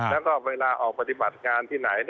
แล้วก็เวลาออกปฏิบัติงานที่ไหน